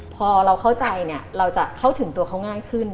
พอเราเข้าใจเนี่ยเราจะเข้าถึงตัวเขาง่ายขึ้น